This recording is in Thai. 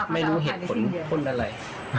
ไม่รู้เหตุผลพ่นอะไร